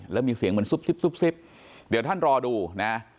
แล้วมีเสียงเหมือนซุบซิบเดี๋ยวท่านรอดูนะ